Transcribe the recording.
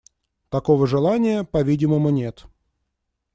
Такого желания, по-видимому, нет.